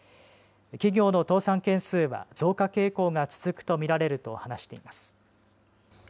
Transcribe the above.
企業の倒産件数は増加傾向が続くと見られると話しています。